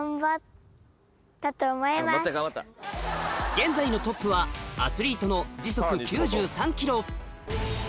現在のトップはアスリートの時速９３キロ